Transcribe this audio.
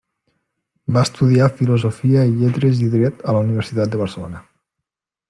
Va estudiar Filosofia i Lletres i Dret a la Universitat de Barcelona.